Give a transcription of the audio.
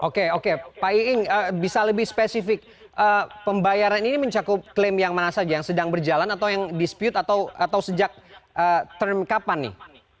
oke oke pak iing bisa lebih spesifik pembayaran ini mencakup klaim yang mana saja yang sedang berjalan atau yang dispute atau sejak term kapan nih